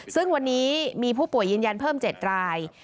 ซึ่งวันนี้มีผู้ป่วยยืนยันเพิ่ม๗ราย